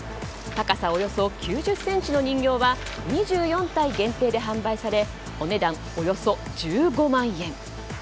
高さおよそ９０ｃｍの人形は２４体限定で販売されお値段およそ１５万円。